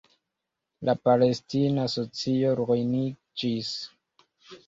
La palestina socio ruiniĝis.